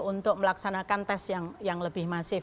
untuk melaksanakan tes yang lebih masif